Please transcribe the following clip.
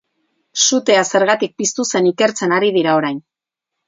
Sutea zergatik piztu zen ikertzen ari dira orain.